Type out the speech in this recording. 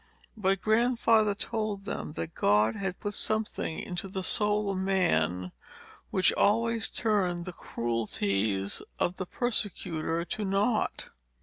But Grandfather told them, that God had put something into the soul of man, which always turned the cruelties of the persecutor to nought.